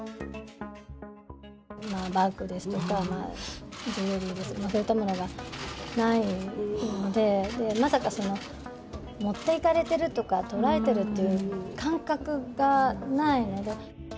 バッグですとか、ジュエリーですとか、そういったものがないので、まさか、持っていかれてるとか、取られているっていう感覚がないので。